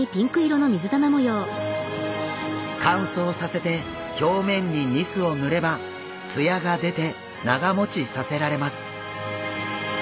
乾燥させて表面にニスを塗ればツヤが出て長もちさせられます。